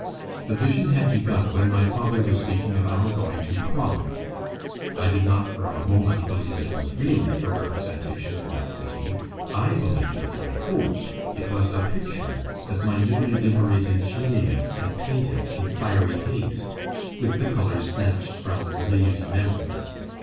The vision had begun when my father was speaking of our going to Prague. I did not for a moment believe it was really a representation of that city; I believed I hoped it was a picture that my newly liberated genius had painted in fiery haste, with the colours snatched from lazy memory.